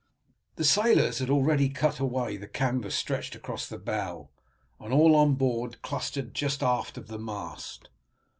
The sailors had already cut away the canvas stretched across the bow, and all on board clustered just aft the mast.